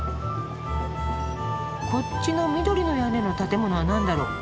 こっちの緑の屋根の建物は何だろう？